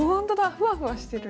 ふわふわしてる。